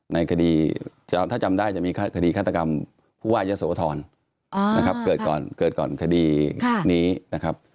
ในคดีถ้าจำได้จะมีคดีฆาตกรรมผู้ว่ายะโสธรนะครับเกิดก่อนเกิดก่อนคดีนี้นะครับ